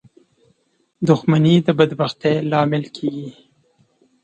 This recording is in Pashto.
• دښمني د بدبختۍ لامل کېږي.